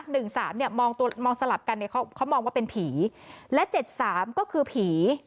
หนึ่งสามเนี้ยมองตัวมองสลับกันเนี่ยเขาเขามองว่าเป็นผีและเจ็ดสามก็คือผี